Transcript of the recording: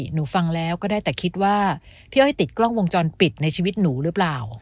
หนูฟังแล้วก็ได้แต่คิดว่าพี่อ้อยติดกล้องวงจรปิดในชีวิตหนูหรือเปล่า